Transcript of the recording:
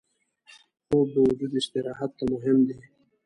خوب د وجود استراحت ته مهم دی